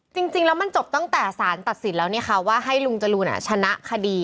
จริงแล้วมันจบตั้งแต่สารตัดสินแล้วว่าให้ลุงจรูนชนะคดี